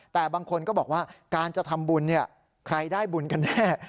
แต่บางคนก็บอกว่าการจะทำบุญใครได้บุญกันแน่